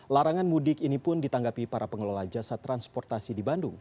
larangan mudik ini pun ditanggapi para pengelola jasa transportasi di bandung